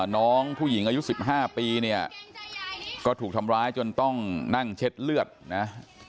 น้องผู้หญิงอายุ๑๕ปีเนี่ยก็ถูกทำร้ายจนต้องนั่งเช็ดเลือดนะ